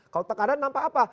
kalau tekanan nampak apa